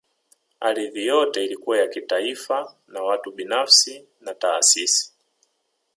Ardhi yote ilikuwa ya kitaifa na watu binafsi na taasisi